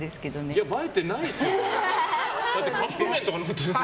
いや、映えてないですよ。